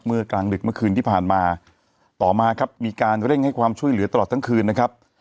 กลางดึกเมื่อคืนที่ผ่านมาต่อมาครับมีการเร่งให้ความช่วยเหลือตลอดทั้งคืนนะครับ